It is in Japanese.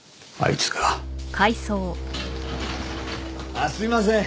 あっすいません。